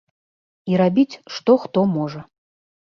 І рабіць што хто можа.